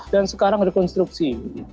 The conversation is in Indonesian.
dan sekarang rekonstruksi